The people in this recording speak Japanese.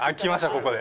ここで。